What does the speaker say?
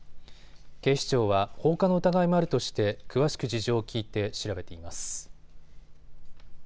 警視庁は放火の疑いもあるとして詳しく事情を聞いて調べています。